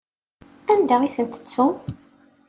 Anda i ten-tettum?